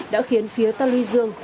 đã khiến phía tây lưu dương